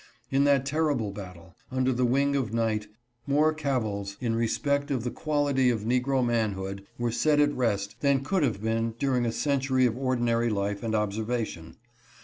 In that terrible battle, under the wing of night, more cavils in respect of the quality of negro manhood were set at rest than could have been during a century of ordinary life and observa tion.